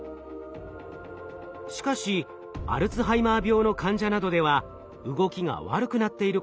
しかしアルツハイマー病の患者などでは動きが悪くなっていることが知られています。